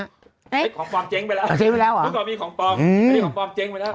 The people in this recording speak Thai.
ของปลอมเจ๊งไปแล้วมีของปลอมเจ๊งไปแล้วมีของปลอมเจ๊งไปแล้วมีของปลอมเจ๊งไปแล้ว